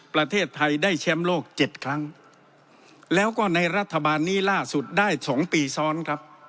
ประเทศไทยได้แชมป์โลก๗ครั้งแล้วก็ในรัฐบาลนี้ล่าสุดได้๒ปีซ้อนครับ